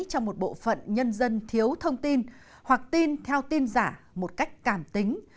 cho một bộ phận nhân dân thiếu thông tin hoặc tin theo tin giả một cách cảm tính